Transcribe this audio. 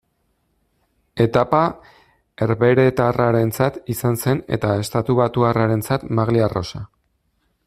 Etapa herbeheretarrarentzat izan zen, eta estatubatuarrarentzat maglia arrosa.